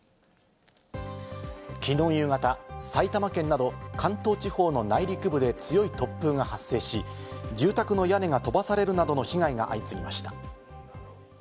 きのう夕方、埼玉県など関東地方の内陸部で強い突風が発生し、住宅の屋根が飛ばされるなどの被害が相次ぎました。